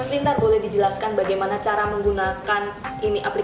mas lintar boleh dijelaskan bagaimana cara membuat service premium